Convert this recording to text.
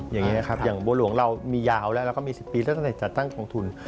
อย่างนี้นะครับอย่างบัวหลวงเรามียาวแล้วเราก็มี๑๐ปีแล้วตั้งแต่จัดตั้งกองทุน